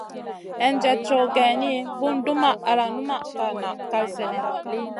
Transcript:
Hinjèd cow geyni, bùn dumʼma al numʼma na kal sènèh.